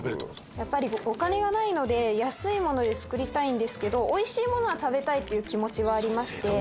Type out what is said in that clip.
やっぱりお金がないので安いもので作りたいんですけど美味しいものは食べたいっていう気持ちはありまして。